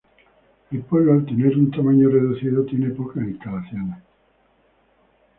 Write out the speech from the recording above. El pueblo, al tener un tamaño reducido, tiene pocas instalaciones.